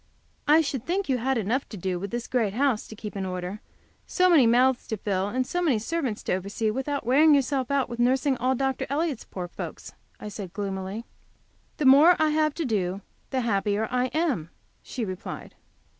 "I should think you had enough to do with this great house to keep in order, so many mouths to fill, and so many servants to oversee, without wearing yourself out with nursing all Dr. Elliott's poor folks," I said, gloomily. "The more I have to do the happier I am," she replied.